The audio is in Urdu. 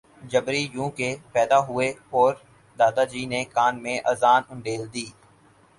جبری یوں کہ ، پیدا ہوئے اور دادا جی نے کان میں اذان انڈیل دی